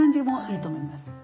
もういいと思います。